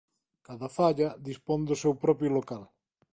Cada Falla dispón do seu propio local.